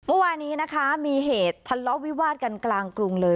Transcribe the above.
เมื่อวานนี้นะคะมีเหตุทะเลาะวิวาดกันกลางกรุงเลย